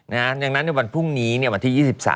ดังนั้นในวันพรุ่งนี้วันที่๒๓